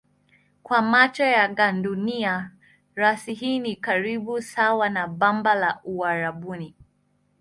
Kwa macho ya gandunia rasi hii ni karibu sawa na bamba la Uarabuni.